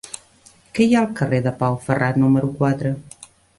Què hi ha al carrer de Pau Ferran número quatre?